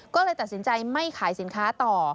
ก็เลยตัดสินใจไม่ขายสินค้าต่อ